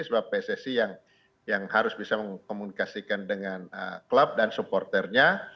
sebab pssi yang harus bisa mengkomunikasikan dengan klub dan supporternya